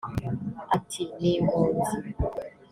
ati “Ni impunzi